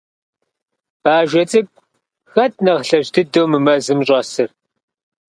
Бажэ цӀыкӀу, хэт нэхъ лъэщ дыдэу мы мэзым щӀэсыр?